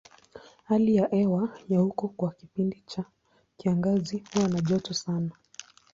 Hali ya hewa ya huko kwa kipindi cha kiangazi huwa na joto sana.